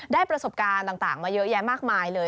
ประสบการณ์ต่างมาเยอะแยะมากมายเลย